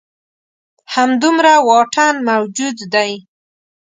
همدومره واټن موجود دی.